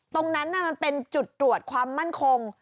ตรงนั้นมันเป็นจุดตรวจความมั่นคง